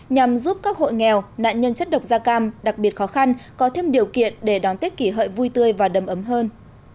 nhằm giúp các hội nghèo nạn nhân chất độc da cam đặc biệt khó khăn có thêm điều kiện để đón tết kỷ hợi vui tươi và đầm ấm hơn